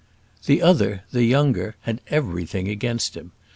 The other, the younger, had everything against him.